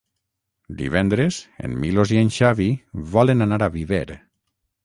Divendres en Milos i en Xavi volen anar a Viver.